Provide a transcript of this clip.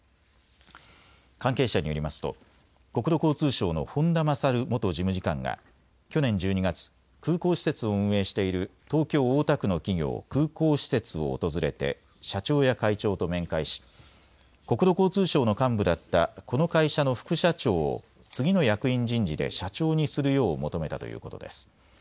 関係者によりますと国土交通省の本田勝元事務次官が去年１２月、空港施設を運営している東京大田区の企業、空港施設を訪れて社長や会長と面会し国土交通省の幹部だったこの会社の副社長を次の役員人事で社長にするよう求めたということです。